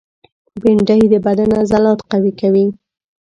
بېنډۍ د بدن عضلات قوي کوي